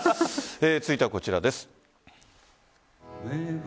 続いてはこちらです。